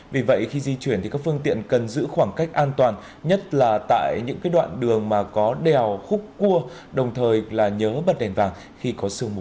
vì vậy khi di chuyển thì các phương tiện cần giữ khoảng cách an toàn nhất là tại những đoạn đường mà có đèo khúc cua đồng thời là nhớ bật đèn vàng khi có sương mù